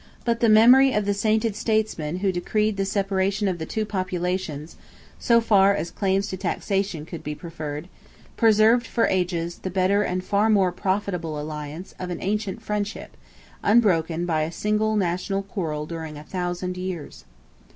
But the memory of the sainted statesman who decreed the separation of the two populations, so far as claims to taxation could be preferred, preserved, for ages, the better and far more profitable alliance, of an ancient friendship, unbroken by a single national quarrel during a thousand years.